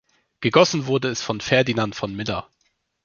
Gegossen wurde es von Ferdinand von Miller.